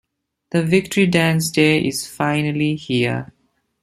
The Victory Dance day is finally here.